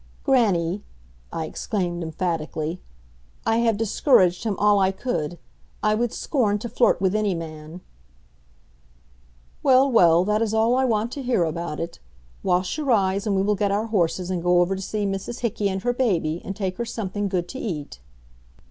"Grannie," I exclaimed emphatically, "I have discouraged him all I could. I would scorn to flirt with any man." "Well, well, that is all I want to hear about it. Wash your eyes, and we will get our horses and go over to see Mrs Hickey and her baby, and take her something good to eat."